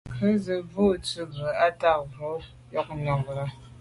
Ŋkrʉ̀n zə̃ bù à’ tsì bú bə́ á tà’ mbrò ŋkrʉ̀n nù nyɔ̌ŋ lá’.